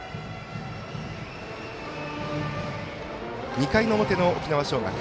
２回の表の沖縄尚学。